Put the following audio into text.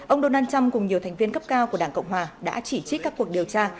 ông donald trump cùng nhiều thành viên cấp cao của đảng cộng hòa đã chỉ trích các cuộc điều tra